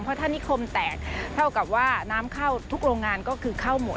เพราะถ้านิคมแตกเท่ากับว่าน้ำเข้าทุกโรงงานก็คือเข้าหมด